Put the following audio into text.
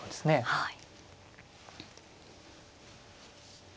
はい。